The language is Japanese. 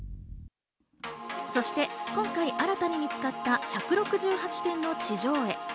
そして今回、新たに見つかった１６８点の地上絵。